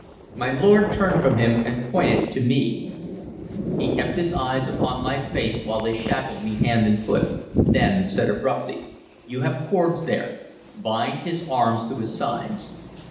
My lord turned from him, and pointed to me. He kept his eyes upon my face while they shackled me hand and foot; then said abruptly, "You have cords there: bind his arms to his sides."